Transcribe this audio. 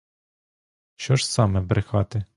Що ж саме брехати?